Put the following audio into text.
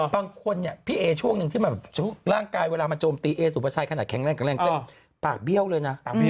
บางคนไน้ย่ะพี่เอช่วงนึงที่ล่างกายเวลามันเจิงตีเอสุปัชไชน์ขนาดแข็งแรงเกล็งเป็นน่ะตาเปลี้ยวเลยน่ะ